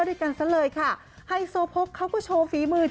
ด้วยกันซะเลยค่ะไฮโซโพกเขาก็โชว์ฝีมือ